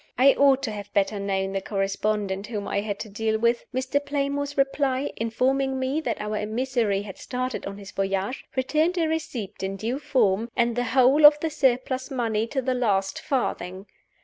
I ought to have better known the correspondent whom I had to deal with. Mr. Playmore's reply (informing me that our emissary had started on his voyage) returned a receipt in due form, and the whole of the surplus money, to the last farthing!